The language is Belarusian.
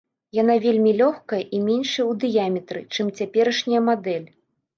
Яна вельмі лёгкая і меншая ў дыяметры, чым цяперашняя мадэль.